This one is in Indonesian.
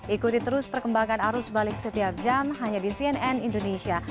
ikuti terus perkembangan arus balik setiap jam hanya di cnn indonesia